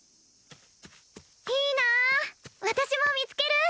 いいな私も見つける